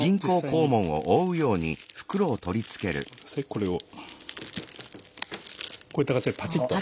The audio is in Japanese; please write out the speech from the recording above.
これをこういった形でパチッと。